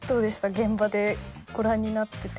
現場でご覧になってて。